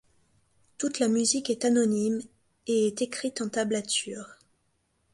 Toute la musique est anonyme et est écrite en tablature.